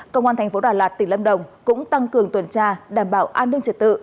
công an tp đà lạt tỉnh lâm đồng cũng tăng cường tuyển tra đảm bảo an ninh trật tự